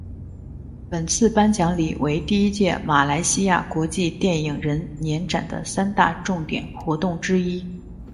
本次颁奖礼为第一届马来西亚国际电影人年展的三大重点活动之一。